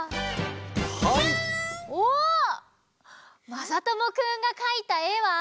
まさともくんがかいたえは？